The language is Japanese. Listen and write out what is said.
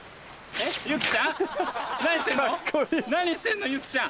何してんのユキちゃん！